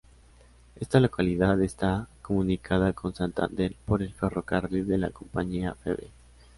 Esta localidad está comunicada con Santander por el ferrocarril de la compañía Feve.